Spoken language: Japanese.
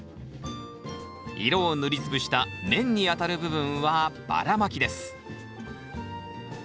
色を塗りつぶした面に当たる部分はばらまきです。